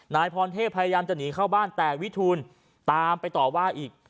นายพรเทพพยายามจะหนีเข้าบ้านแต่วิทูลตามไปต่อว่าอีก